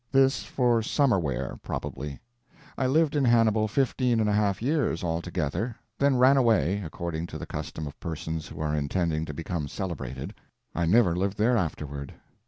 This for summer wear, probably. I lived in Hannibal fifteen and a half years, altogether, then ran away, according to the custom of persons who are intending to become celebrated. I never lived there afterward.